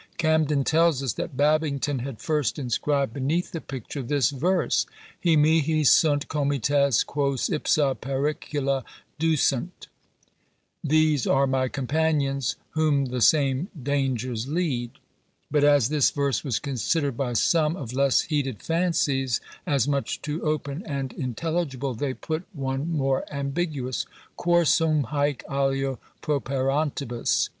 Camden tells us that Babington had first inscribed beneath the picture this verse: Hi mihi sunt comites, quos ipsa pericula ducunt. These are my companions, whom the same dangers lead. But as this verse was considered by some of less heated fancies as much too open and intelligible, they put one more ambiguous: Quorsum hÃḊc alio properantibus?